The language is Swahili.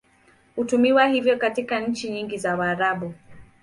Hutumiwa hivyo katika nchi nyingi za Waarabu.